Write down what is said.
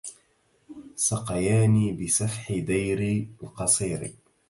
سقياني بسفح دير القصير